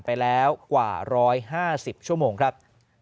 ไปแล้วกว่า๑๕๐ชั่วโมงครับ